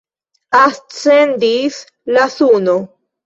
Ascendis la suno.